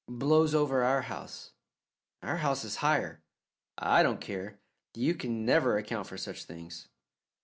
"Blows over our house." "Our house is higher." "I don't care; you can never account for such things."